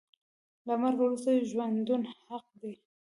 له مرګ وروسته ژوندون حق دی .